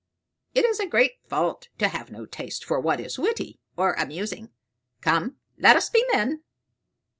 It is a great fault to have no taste for what is witty or amusing come, let us be men."